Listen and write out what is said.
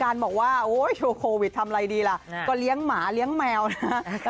การบอกว่าโควิดทำอะไรดีล่ะก็เลี้ยงหมาเลี้ยงแมวนะ